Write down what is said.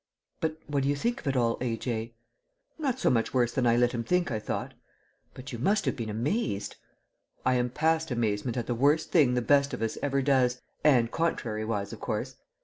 "But what do you think of it all, A.J.?" "Not so much worse than I let him think I thought." "But you must have been amazed?" "I am past amazement at the worst thing the best of us ever does, and contrariwise of course.